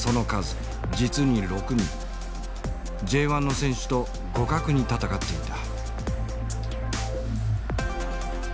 Ｊ１の選手と互角に戦っていた。